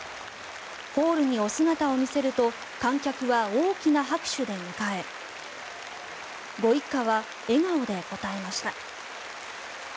ホールにお姿を見せると観客は大きな拍手で迎えご一家は笑顔で応えました。